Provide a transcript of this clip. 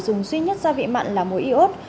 dùng duy nhất gia vị mặn là mối iốt